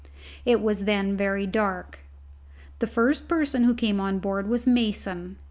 It was then very dark. The first person to come on board was Mason.